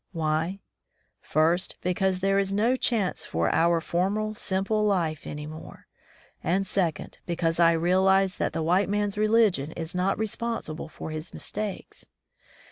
Why? First, because there is no chance for our former simple life any more; and second, because I realize that the white man's religion is not responsible for his mistakes.